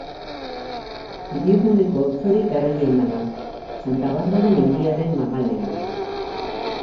Hiriguneko auzorik garaiena da, Santa Barbara mendiaren magalean.